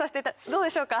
どうでしょうか？